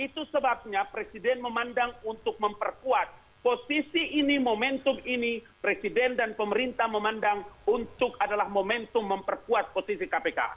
itu sebabnya presiden memandang untuk memperkuat posisi ini momentum ini presiden dan pemerintah memandang untuk adalah momentum memperkuat posisi kpk